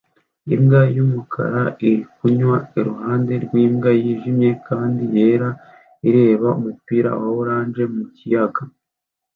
Imbwa y'umukara iri kunywa iruhande rw'imbwa yijimye kandi yera ireba umupira wa orange mu kiyaga